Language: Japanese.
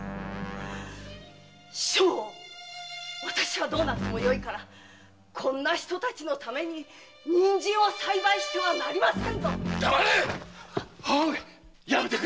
将翁私はどうなってもよいからこんな人たちのために人参を栽培してはなりませんぞやめてくれ。